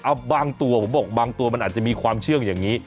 เอาบางตัวผมบอกบางตัวมันอาจจะมีความเชื่องอย่างนี้